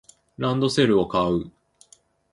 ランドセルを買う